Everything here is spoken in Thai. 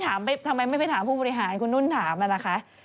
ทำไมไม่ไปถามผู้บริหารคุณนุ่นถามอะนะคะ